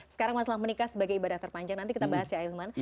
sekarang masalah menikah sebagai ibadah terpanjang nanti kita bahas ya ahilman